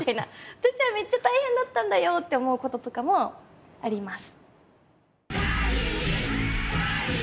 私はめっちゃ大変だったんだよ！って思うこととかもあります。